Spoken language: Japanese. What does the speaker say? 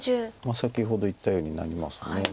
先ほど言ったようになります。